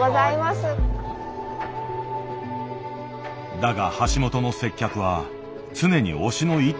だが橋本の接客は常に押しの一手ではない。